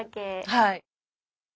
はい。